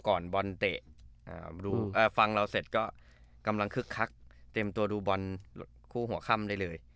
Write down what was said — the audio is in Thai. ก่อนบอลเตะฟังเราเสร็จก็กำลังคึกคักเตรียมตัวดูบอลคู่หัวค่ำได้เลย